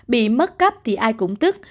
bị mất cắp thì ai cũng tức